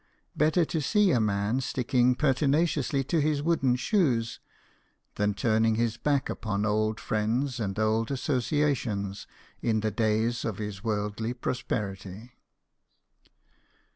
Better to see a man sticking pertinaciously to his wooden shoes, than turning his back upon old friends and old associations in the days of his worldly prosperity.